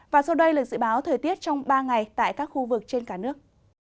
và sau đây là dự báo thời tiết trong ba ngày tại các khu vực trên cả nước